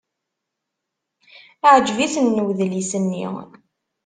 Yeɛjeb-iten udlis-nni.